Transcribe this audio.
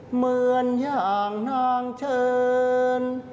เหมือนอย่างนางเชิญ